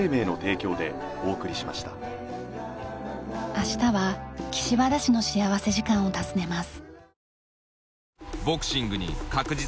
明日は岸和田市の幸福時間を訪ねます。